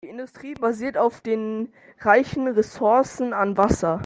Die Industrie basiert auf den reichen Ressourcen an Wasser.